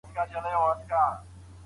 پلي تګ ولي اړین دی؟